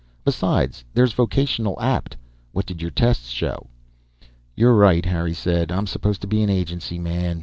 "Besides, there's Vocational Apt. What did your tests show?" "You're right," Harry said. "I'm supposed to be an agency man.